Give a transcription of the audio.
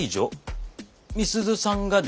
美鈴さんがですか？